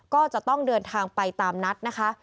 ก็จะต้องเดินทางไปตามนัดนะคะ